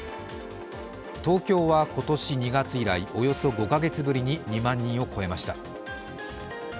東京は今年２月以来、およそ５カ月ぶりに２万人を超えました。